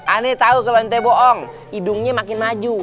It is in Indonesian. ane tau kalo ente bohong hidungnya makin maju